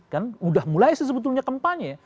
kan udah mulai sebetulnya kampanye ya